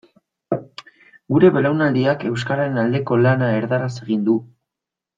Gure belaunaldiak euskararen aldeko lana erdaraz egin du.